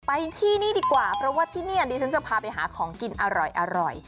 ไปที่นี่ดีกว่าเพราะว่าที่นี่ดิฉันจะพาไปหาของกินอร่อย